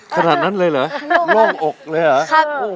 ขนาดนั้นเลยเหรอโล่งอกเลยเหรอ